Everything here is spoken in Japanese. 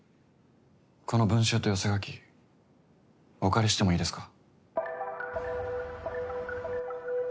この文集と寄せ書きお借りしてもいいですか？